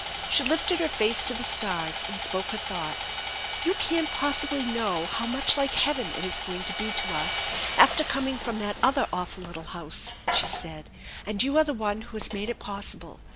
She lifted her face to the stars, and spoke her thoughts. " You can't possibly know how much like heaven it is going to be to us after coming from that other awful little house/ 4 she said ; te and you are the one who has made it possible.